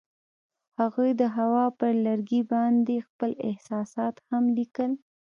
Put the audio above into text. هغوی د هوا پر لرګي باندې خپل احساسات هم لیکل.